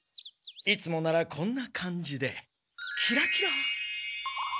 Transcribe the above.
いつもならこんな感じでキラキラ。